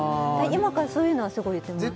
今からそういうのはすごい言ってます